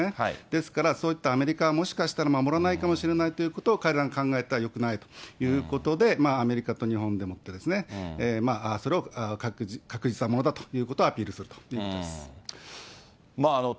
ですから、そういったアメリカは、もしかしたら守らないかもしれないということを彼らの考えたよくないということで、アメリカと日本でもって、まあ、それを確実なものだということをアピールするということだと思います。